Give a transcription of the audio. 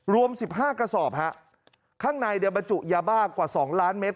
รวม๑๕กระสอบฮะข้างในเนี่ยบรรจุยาบ้ากว่า๒ล้านเมตร